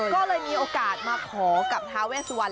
ก็เลยมีโอกาสมาขอกับทาเวสวรร